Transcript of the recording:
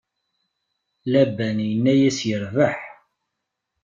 Laban inna-yas: Yerbeḥ!